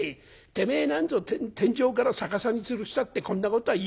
てめえなんぞ天井から逆さにつるしたってこんなことは言えねえだろう！」。